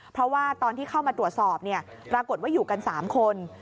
เพราะว่าตอนที่เข้ามาตรวจสอบปรากฏว่าอยู่กัน๓คน